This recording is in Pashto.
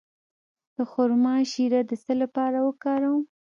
د خرما شیره د څه لپاره وکاروم؟